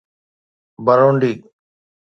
Burundi